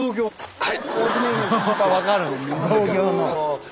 はい。